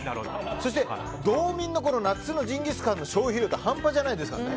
そして道民の夏のジンギスカンの消費量って半端じゃないですからね。